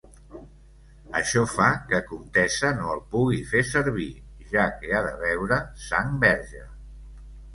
Això fa que comtessa no el pugui fer servir, ja que ha de beure sang verge.